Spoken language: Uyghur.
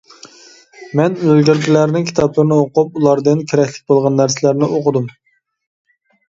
مەن ئىلگىرىكىلەرنىڭ كىتابلىرىنى ئوقۇپ ئۇلاردىن كېرەكلىك بولغان نەرسىلەرنى ئوقۇدۇم.